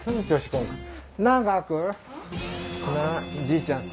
じいちゃん